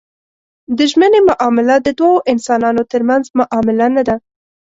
د ژمنې معامله د دوو انسانانو ترمنځ معامله نه ده.